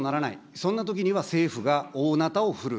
そんなときには政府が大なたをふるう。